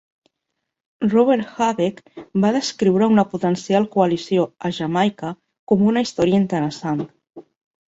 Robert Habeck va descriure una potencial coalició a Jamaica com una història interessant.